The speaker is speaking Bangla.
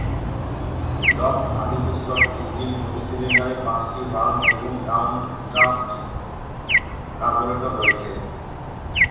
ডক আদিপুস্তক ইঞ্জিন প্রতি সিলিন্ডারে পাঁচটি ভালভ এবং ডাউনড্রাফ্ট কার্বোরেটর রয়েছে।